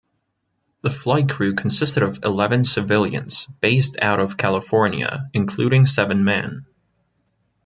The flight crew consisted of eleven civilians based out of California, including seven men.